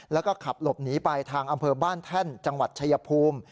แล้วก็ขับหลบหนีไปทางอำเภอบ้านแท่นจังหวัดชายภูมิ